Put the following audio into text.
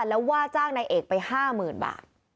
แล้วว่าจ้างนายเอกไป๕๐๐๐บาท